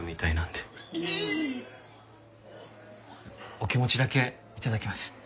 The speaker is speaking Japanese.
お気持ちだけ頂きます。